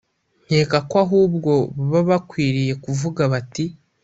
Nkeka ko ahubwo baba bakwiriye kuvuga bati